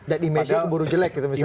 dan di mesya keburu jelek gitu misalnya ya